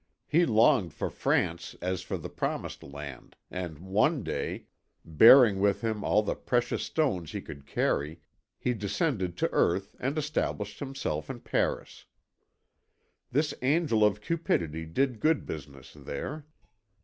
He longed for France as for the promised land, and one day, bearing with him all the precious stones he could carry, he descended to earth and established himself in Paris. This angel of cupidity did good business there.